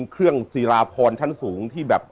เครื่องศิลาพรชั้นสูงที่แบบ